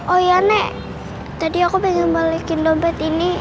oh ya nek tadi aku pengen balikin dompet ini